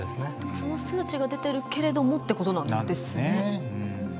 その数値が出ているけれどもってことなんですね。